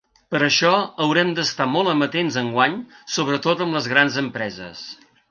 Per això haurem d’estar molt amatents enguany, sobretot amb les grans empreses.